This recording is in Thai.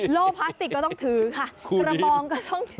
โล่พลาสติกก็ต้องถือค่ะกระบองก็ต้องถือ